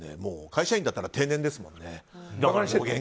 会社員だったら定年ですもんね。